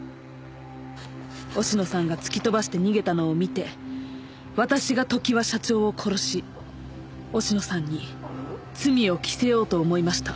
忍野さんが突き飛ばして逃げたのを見て私が常盤社長を殺し忍野さんに罪を着せようと思いました。